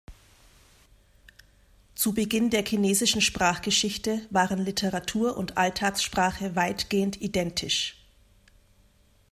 Zu Beginn der chinesischen Sprachgeschichte waren Literatur- und Alltagssprache weitgehend identisch.